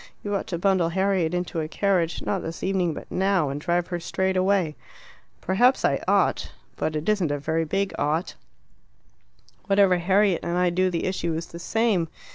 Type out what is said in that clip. You ought to bundle Harriet into a carriage, not this evening, but now, and drive her straight away." "Perhaps I ought. But it isn't a very big 'ought.' Whatever Harriet and I do the issue is the same.